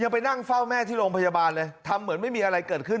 ไปนั่งเฝ้าแม่ที่โรงพยาบาลเลยทำเหมือนไม่มีอะไรเกิดขึ้น